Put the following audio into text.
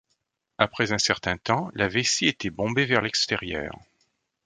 Après un certain temps, la vessie était bombé vers l'extérieur.